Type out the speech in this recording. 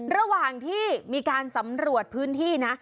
ระหว่างที่มีการสำรวจพื้นที่นะ